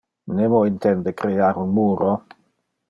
Nemo intende crear un muro.